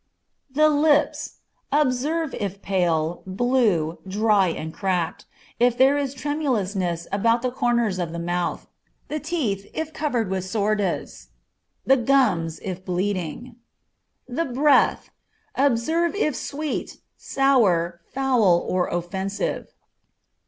The lips. Observe if pale, blue, dry and cracked, if there is tremulousness about the corners of the mouth; the teeth, if covered with sordes; the gums, if bleeding. The breath. Observe if sweet, sour, foul, or offensive.